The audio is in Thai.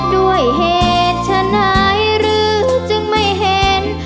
ด้วยเหตุฉะไหนหรือจึงไม่เห็น